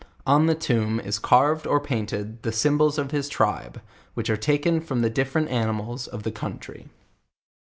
On the tomb is carved or painted, the symbols of his tribe, which are taken from the different animals of the coun try.